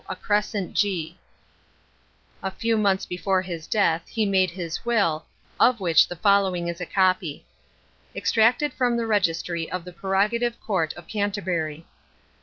a crescent G. A few months before his death, he made his will, of which the following is a copy: EXTRACTED FROM THE REGISTRY OF THE PREROGATIVE COURT OF CANTERBURY.